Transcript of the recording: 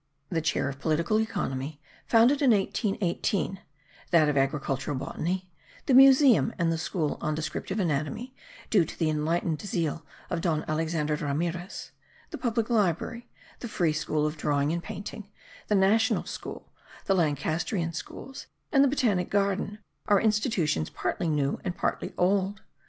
the chair of political economy, founded in 1818; that of agricultural botany; the museum and the school of descriptive anatomy, due to the enlightened zeal of Don Alexander Ramirez; the public library, the free school of drawing and painting; the national school; the Lancastrian schools, and the botanic garden, are institutions partly new, and partly old.